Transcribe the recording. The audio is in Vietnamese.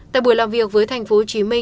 tại buổi làm việc với tp hcm